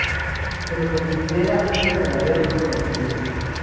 Se lo considera un verdadero ícono del club.